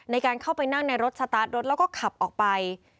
ในการเข้าไปนั่งในรถสตาร์ทรถแล้วก็ขับออกไป